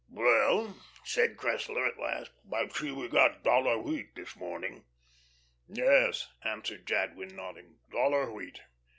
"Well," said Cressler, at last, "I see we got 'dollar wheat' this morning." "Yes," answered Jadwin, nodding, "'dollar wheat.'"